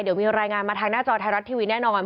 เดี๋ยวมีรายงานมาทางหน้าจอไทยรัฐทีวีแน่นอน